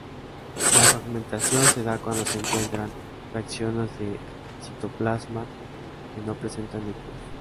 La fragmentación se da cuando se encuentran fracciones del citoplasma que no presentan núcleos.